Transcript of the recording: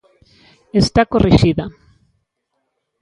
Está corrixida.